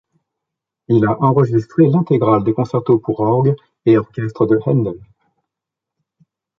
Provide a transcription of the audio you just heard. Il a enregistré l'intégrale des concertos pour orgue et orchestre de Haendel.